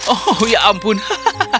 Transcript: oh ya ampun hahaha